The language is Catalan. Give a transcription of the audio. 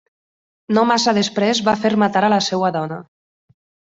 No massa després va fer matar a la seva dona.